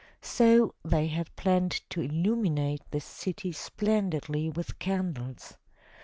So they had planned to illuminate the city splendidly with candles.